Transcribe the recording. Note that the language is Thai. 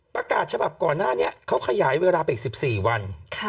ประกาศฉบับก่อนหน้านี้เขาขยายเวลาไปอีก๑๔วัน